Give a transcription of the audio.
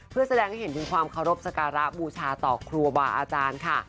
เพื่อแสดงให้เห็นถึงความเคารพสการะบูชาต่อครูบาอาจารย์ค่ะ